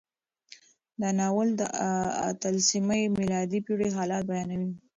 دا ناول د اتلسمې میلادي پېړۍ حالات بیانوي.